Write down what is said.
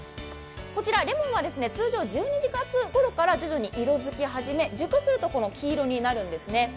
こちら、レモンは通常１２月ごろから徐々に色づき始め、熟すると黄色になるんですね。